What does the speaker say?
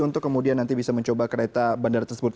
untuk kemudian nanti bisa mencoba kereta bandara tersebut